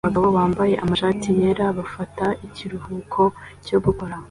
Abagabo bambaye amashati yera bafata ikiruhuko cyo gukora